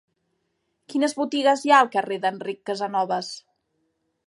Quines botigues hi ha al carrer d'Enric Casanovas?